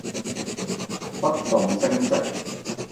不動聲色